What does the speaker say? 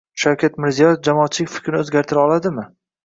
Shavkat Mirziyoyev jamoatchilik fikrini o'zgartira oldimi?